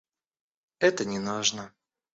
Это не нужно.